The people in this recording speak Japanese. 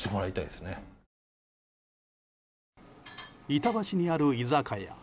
板橋にある居酒屋。